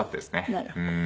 なるほど。